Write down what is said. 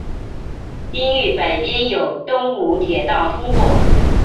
町域北边有东武铁道通过。